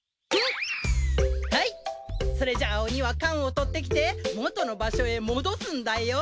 はいそれじゃあ鬼は缶を取ってきて元の場所へ戻すんだよ。